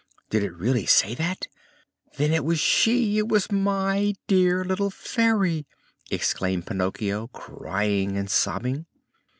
'" "Did it really say that? Then it was she! It was my dear little Fairy," exclaimed Pinocchio, crying and sobbing.